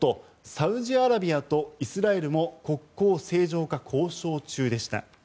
サウジアラビアとイスラエルも国交正常化交渉中でした。